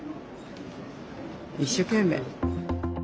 一生懸命。